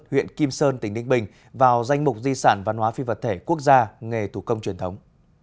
huyện kim sơn tỉnh ninh bình vào danh mục di sản văn hóa phi vật thể quốc gia nghề thủ công truyền thống